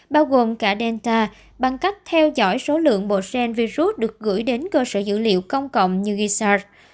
bao gồm cả delta bằng cách theo dõi số lượng bộ cent virus được gửi đến cơ sở dữ liệu công cộng như gisos